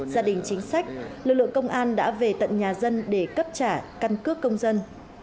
gia đình chính sách lực lượng công an đã về tận nhà dân để cấp trả căn cước công dân